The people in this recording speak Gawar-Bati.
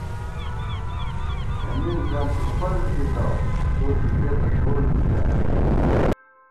اېمے زَیَنت اُوپہ ݫُپِتہ ، تو څُوکېتہ تول مِزان